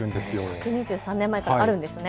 １２３年前からあるんですね。